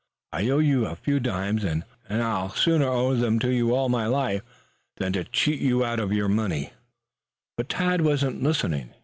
I owe you a few dimes, and I'd sooner owe them to you all my life than cheat you out of the money." But Tad wasn't listening.